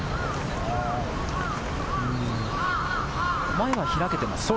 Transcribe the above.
前は開けてますね。